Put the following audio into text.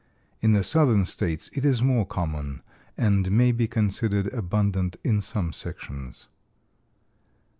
In the Southern States it is more common and may be considered abundant in some sections.